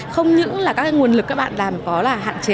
không những là các nguồn lực các bạn làm có là hạn chế